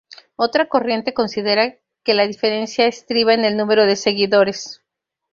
Otra corriente considera que la diferencia estriba en el número de seguidores.